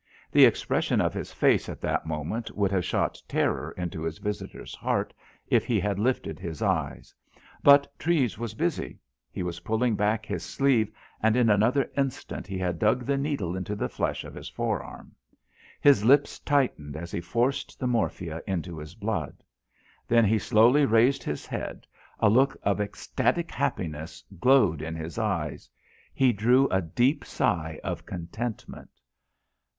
The expression of his face at that moment would have shot terror into his visitor's heart, if he had lifted his eyes. But Treves was busy. He was pulling back his sleeve, and in another instant he had dug the needle into the flesh of his forearm. His lips tightened as he forced the morphia into his blood. Then he slowly raised his head, a look of ecstatic happiness glowed in his eyes; he drew a deep sigh of contentment.